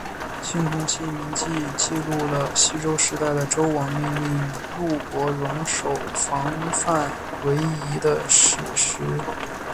青铜器铭文记录了西周时代的周王命令录伯戍守防范淮夷的史实。